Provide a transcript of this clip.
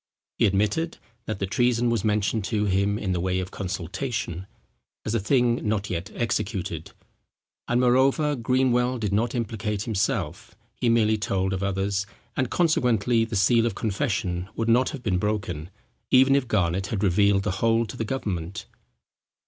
He admitted, that the treason was mentioned to him in the way of consultation, as a thing not yet executed; and moreover Greenwell did not implicate himself; he merely told of others, and consequently the seal of confession would not have been broken, even if Garnet had revealed the whole to the government.